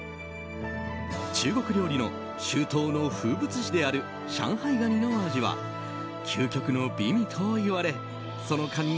中国料理の秋冬の風物詩である上海ガニの味は究極の美味といわれそのカニ